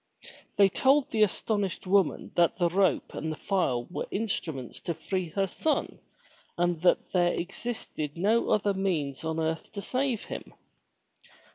They told the astonished woman that the rope and the file were instruments to free her son and that there existed no other means on earth to save him.